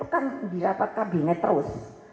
kan dilapat kabinet terus